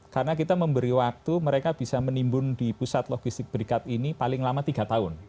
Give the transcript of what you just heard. karena kita memberi waktu mereka bisa menimbun di pusat logistik berikat ini paling lama tiga tahun